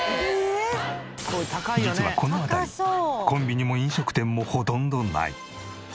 実はこの辺りコンビニも飲食店もほとんどない。